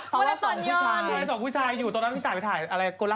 ตรงเยี่ยงดิมมาด้วยค่ะ